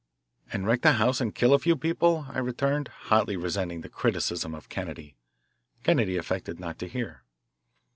"And wreck the house and kill a few people," I returned, hotly resenting the criticism of Kennedy. Kennedy affected not to hear.